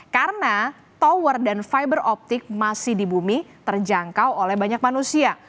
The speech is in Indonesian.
karena tower dan fiber optic masih di bumi terjangkau oleh banyak manusia